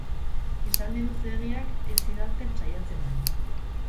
Esaldi luzeegiak ez idazten saiatzen naiz.